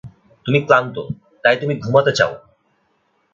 তুমি ক্লান্ত, তাই তুমি ঘুমাতে চাউ!